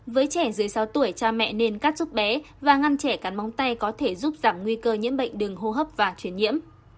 với trẻ dưới sáu tuổi cha mẹ nên cắt giúp bé và ngăn trẻ cắn móng tay có thể giúp giảm nguy cơ nhiễm bệnh đường hô hấp và chuyển nhiễm